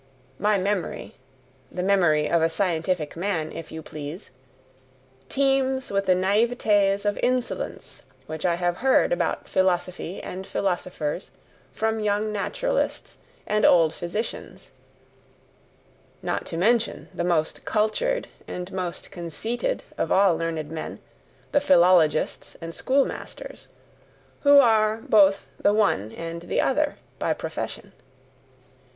My memory the memory of a scientific man, if you please! teems with the naivetes of insolence which I have heard about philosophy and philosophers from young naturalists and old physicians (not to mention the most cultured and most conceited of all learned men, the philologists and schoolmasters, who are both the one and the other by profession).